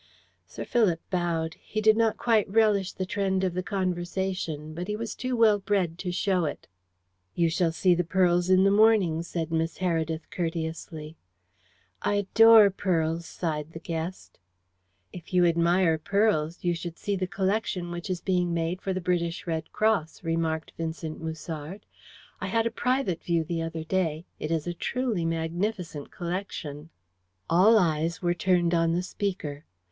Sir Philip bowed. He did not quite relish the trend of the conversation, but he was too well bred to show it. "You shall see the pearls in the morning," said Miss Heredith courteously. "I adore pearls," sighed the guest. "If you admire pearls, you should see the collection which is being made for the British Red Cross," remarked Vincent Musard. "I had a private view the other day. It is a truly magnificent collection." All eyes were turned on the speaker.